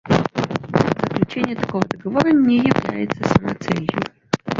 Заключение такого договора не является самоцелью.